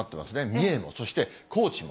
三重も、そして高知も。